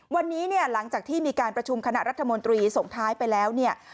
วันนี้เนี่ยหลังจากที่มีการประชุมคณะรัฐมนตรีส่งท้ายไปแล้วเนี่ย